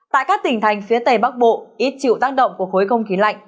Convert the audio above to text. tại các tỉnh thành phía tây bắc bộ ít chịu tác động của khối không khí lạnh